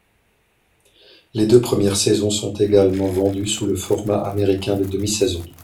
Les deux premières saisons sont également vendues sous le format américain des demi-saisons.